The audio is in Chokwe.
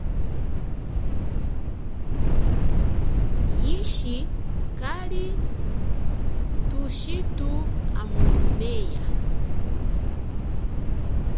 Yishi kali thushithu amumeya.